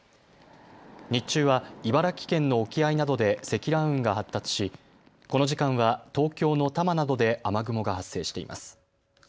日中は茨城県の沖合などで積乱雲が発達しこの時間は東京の多摩などで雨雲が発生しています。